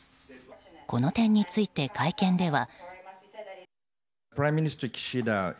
この点について、会見では。